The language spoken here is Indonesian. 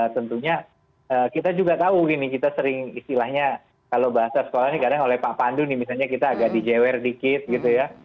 tentunya kita juga tahu gini kita sering istilahnya kalau bahasa sekolahnya kadang oleh pak pandu nih misalnya kita agak dijewer dikit gitu ya